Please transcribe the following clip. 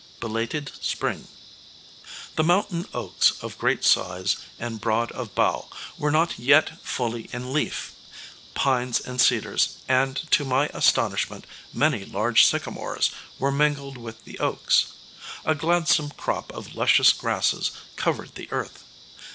Belated Spring. The mountain oaks of great size and broad of bough, were not yet fully in leaf. Pines and cedars, and to my astonishment, many large sycamores, were mingled with the oaks. A gladsome crop of luscious grasses covered the earth.